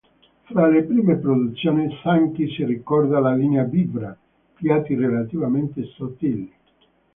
Fra le prime produzioni Zanchi si ricorda la linea "Vibra", piatti relativamente sottili.